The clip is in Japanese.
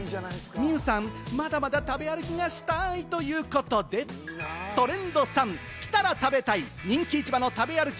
望結さん、まだまだ食べ歩きがしたいということでトレンド３、来たら絶対食べたい、人気市場の食べ歩き